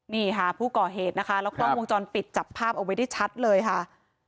นี่ค่ะผู้ก่อเหตุนะคะแล้วกล้องวงจรปิดจับภาพเอาไว้ได้ชัดเลยค่ะ